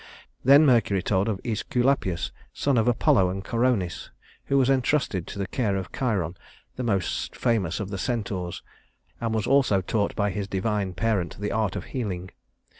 Then Mercury told of Æsculapius, son of Apollo and Coronis, who was entrusted to the care of Chiron, most famous of the Centaurs, and was also taught by his divine parent the art of healing.